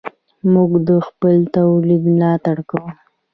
موږ د خپل تولید ملاتړ کوو.